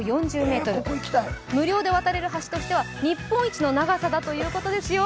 無料で渡れる橋としては日本一の長さということですよ。